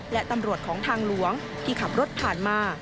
และตำรวจของทางหลวงที่ขับรถผ่านมา